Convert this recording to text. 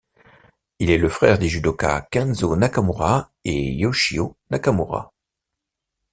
Il est le frère des judokas Kenzo Nakamura et Yoshio Nakamura.